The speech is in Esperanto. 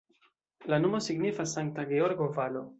La nomo signifas Sankta Georgo-valo.